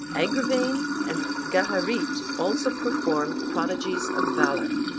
Agrivain and Gahariet also performed prodigies of valor.